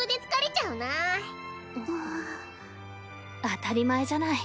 当たり前じゃない。